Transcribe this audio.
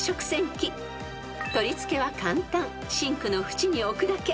［取り付けは簡単シンクの縁に置くだけ］